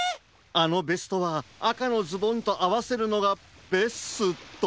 あのベストはあかのズボンとあわせるのがベスト。